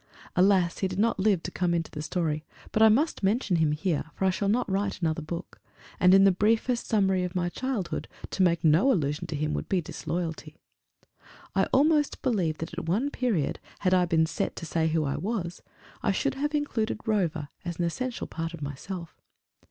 Alas, he did not live to come into the story, but I must mention him here, for I shall not write another book, and, in the briefest summary of my childhood, to make no allusion to him would be disloyalty. I almost believe that at one period, had I been set to say who I was, I should have included Rover as an essential part of myself.